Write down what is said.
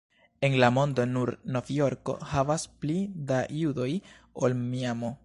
En la mondo, nur Novjorko havas pli da judoj ol Miamo.